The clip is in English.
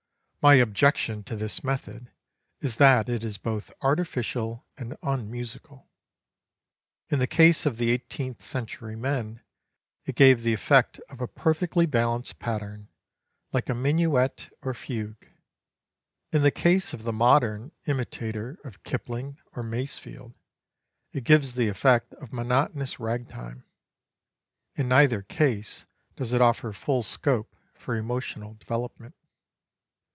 My objection to this method is that it is both artificial and unmusical. In the case of the eighteenth century men, it gave the effect of a perfectly balanced pattern, like a minuet or fugue. In the case of the modern imitator of Kipling or Masefield, it gives the effect of monotonous rag time. In neither case does it offer full scope for emotional development.